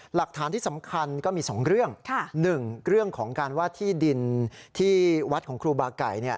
หลักฐานที่สำคัญก็มี๒เรื่อง๑เรื่องของการว่าที่ดินที่วัดของครูบาไก่